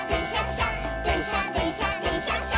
しゃでんしゃでんしゃでんしゃっしゃ」